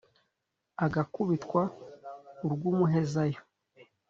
Agakubitwa urw’umuhezayo*,